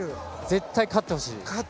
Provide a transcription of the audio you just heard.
絶対に勝ってほしい。